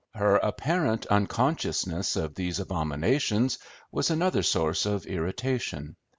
Her apparent unconsciousness of these abominations was another source of irritation.